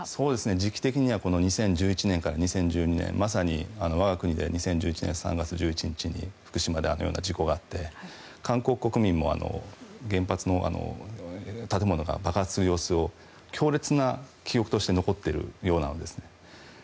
時期的には２０１１年から２０１２年まさに、我が国で２０１１年３月１１日に福島であのような事故があって韓国国民も原発の建物が爆発する様子を強烈な記憶として残っているようなんですね。